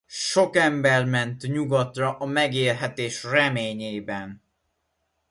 Sok ember ment nyugatra a megélhetés reményében.